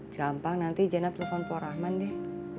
gampang nanti jenap telepon poh rahman deh